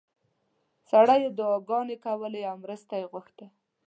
سړیو دعاګانې کولې او مرسته یې غوښته.